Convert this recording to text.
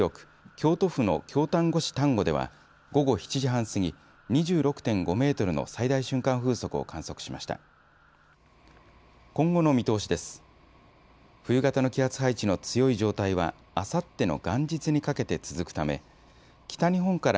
風も強く、京都府の京丹後市丹後では午後７時半過ぎ２６．５メートルの最大瞬間風速を観測しました。